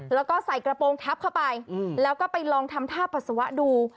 แล้วก็ใส่กระโปรงทับเข้าไปแล้วก็ไปลองทำท่าปัสสาวะดู